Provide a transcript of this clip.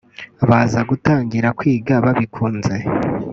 Baza gutangira kwiga babikunze